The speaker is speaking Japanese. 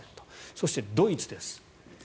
そして、ドイツです。